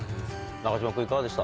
中島君いかがでした？